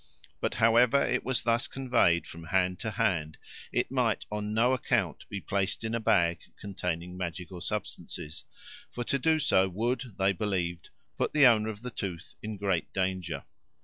But however it was thus conveyed from hand to hand, it might on no account be placed in a bag containing magical substances, for to do so would, they believed, put the owner of the tooth in great danger.